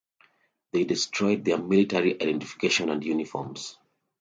They destroyed their military identification and uniforms.